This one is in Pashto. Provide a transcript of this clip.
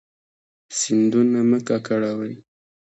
سیندونه مه ککړوئ